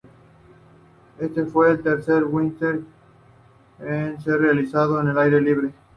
Este fue el tercer "WrestleMania" en ser realizado al aire libre.